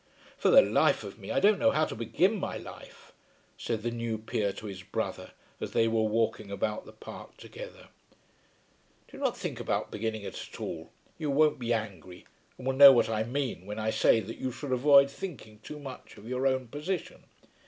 "For the life of me, I don't know how to begin my life," said the new peer to his brother as they were walking about the park together. "Do not think about beginning it at all. You won't be angry, and will know what I mean, when I say that you should avoid thinking too much of your own position."